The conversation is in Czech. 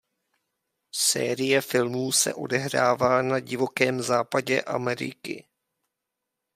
Série filmů se odehrává na Divokém západě Ameriky.